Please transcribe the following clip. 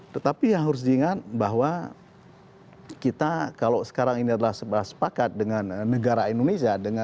tetapi yang harus diingat bahwa kita kalau sekarang ini adalah sebuah sepakat dengan negara indonesia